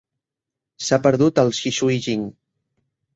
S'ha perdut el "Xisui Jing".